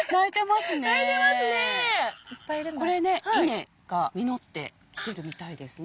これね稲が実ってきてるみたいですね。